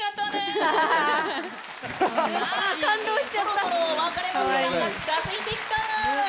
そろそろお別れの時間が近づいてきたぬ。